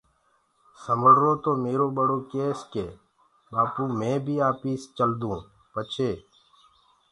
سمݪرو تو ميرو ٻڙو ڪيس ڪي ٻآپو مي بيٚ آپيس چلدون پڇي